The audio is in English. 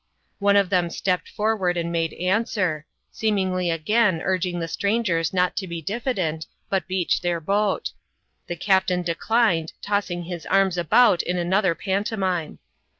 One of them stepped forward and made answer, seemingly again urging the strangers not to be diffident, but beach their boat. The captain declined, tossing his arms about in another pantomime.